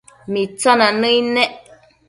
Mitsina nëid nec